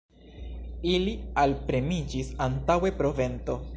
Ili alpremiĝis antaŭe, pro vento.